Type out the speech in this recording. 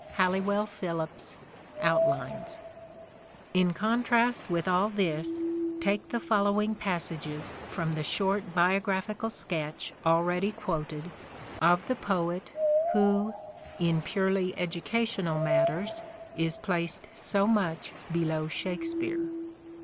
(Halliwell Phillipps's " Outlines.) Boms and In contrast with all this take the following passages from the short biographical sketch already quoted, of the poet who, in purely educational matters, is placed so much below " Shakespeare."